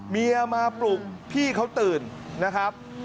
เมียมาปลุกพี่เขาตื่นนะครับ